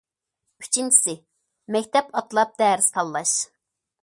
ئۈچىنچىسى، مەكتەپ ئاتلاپ دەرس تاللاش.